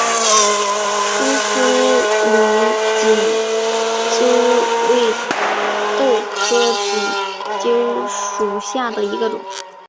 乌苏里锦鸡儿为豆科锦鸡儿属下的一个种。